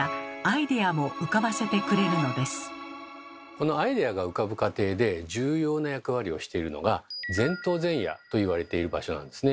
このアイデアが浮かぶ過程で重要な役割をしているのが「前頭前野」と言われている場所なんですね。